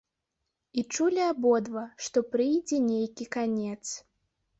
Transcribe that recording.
І чулі абодва, што прыйдзе нейкі канец.